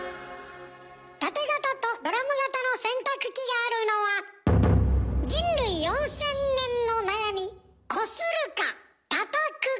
タテ型とドラム型の洗濯機があるのは人類４，０００年の悩みこするかたたくか！